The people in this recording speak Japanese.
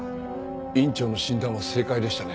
院長の診断は正解でしたね。